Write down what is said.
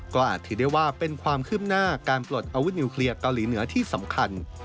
ก็อาจถือได้ว่าเป็นความคืบหน้าการปลดอาวุธนิวเคลียร์เกาหลีเหนือที่สำคัญ